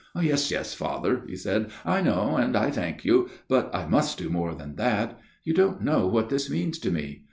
"' Yes, yes, Father,' he said, * I know, and 1 thank you, but I must do more than that. You don't know what this means to me.